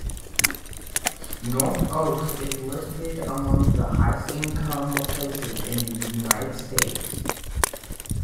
North Oaks is listed among the highest-income places in the United States.